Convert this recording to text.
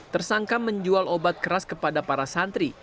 tersangka menjual obat keras kepada para santri